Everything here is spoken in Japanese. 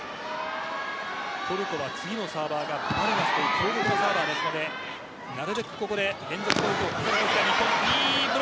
トルコは次のサーバーがバルガスという強力なサーバーですのでなるべく、ここで連続ポイントを取りたい日本。